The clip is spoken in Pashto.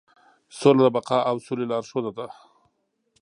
سوله د بقا او سولې لارښود ده.